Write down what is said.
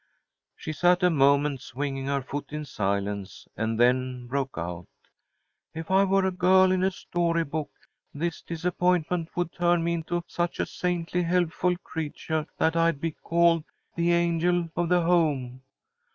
She sat a moment, swinging her foot in silence, and then broke out: "If I were a girl in a story book, this disappointment would turn me into such a saintly, helpful creatuah that I'd be called 'The Angel of the Home.'